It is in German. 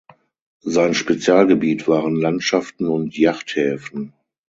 Sein Spezialgebiet waren Landschaften und Yachthäfen.